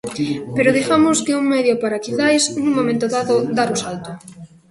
Pero digamos que é un medio para, quizais, nun momento dado, dar o salto.